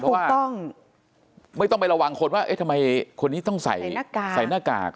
เพราะว่าไม่ต้องไประวังคนว่าเอ๊ะทำไมคนนี้ต้องใส่หน้ากาก